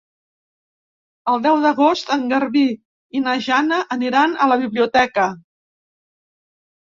El deu d'agost en Garbí i na Jana aniran a la biblioteca.